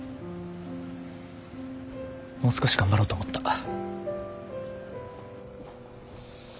もう少し頑張ろうと思った。